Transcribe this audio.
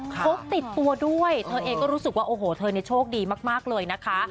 พกติดตัวด้วยเธอเองก็รู้สึกว่าโอ้โหเธอโชคดีมากเลยนะคะ